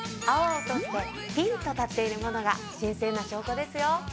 青々としてピンと立っているものが新鮮な証拠ですよ。